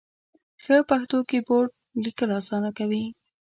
ښه پښتو کېبورډ ، لیکل اسانه کوي.